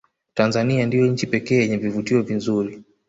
tanzania ndiyo nchi pekee yenye vivutio vinzuri